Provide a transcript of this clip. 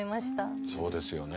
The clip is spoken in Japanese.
そうですよね。